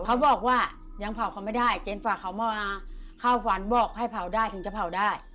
เขาบอกว่ายังเผาเขาไม่ได้เจนฝากเขามาเข้าฝันบอกให้เผาได้ถึงจะเผาได้